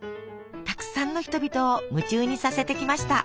たくさんの人々を夢中にさせてきました。